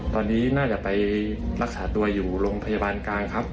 ตอนนี้น่าจะไปรักษาตัวอยู่โรงพยาบาลกลางครับ